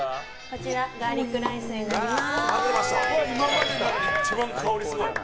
ガーリックライスになります。